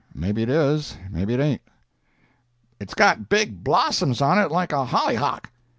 Maybe it is, maybe it ain't." "It's got big blossoms on it like a hollyhock."